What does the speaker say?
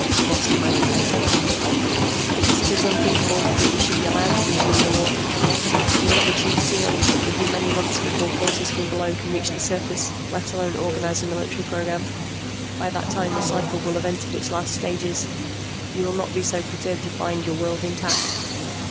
Moss demanded angrily. "Because it is unthinkable that you should be allowed to resume the war. With all the Tubes sealed, it will be many months before forces from below can reach the surface, let alone organize a military program. By that time the cycle will have entered its last stages. You will not be so perturbed to find your world intact.